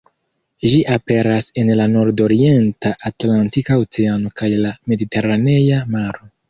Ĝi aperas en la nord-orienta Atlantika Oceano kaj la Mediteranea Maro.